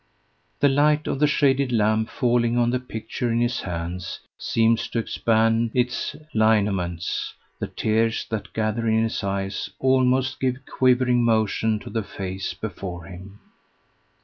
The light of the shaded lamp falling on the picture in his hands seems to expand its lineaments; the tears that gather in his eyes almost give quivering motion to the face before him.